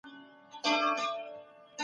په روغتونونو کي باید ښه درملنه وسي.